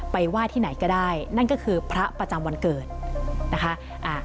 ไหว้ที่ไหนก็ได้นั่นก็คือพระประจำวันเกิดนะคะอ่า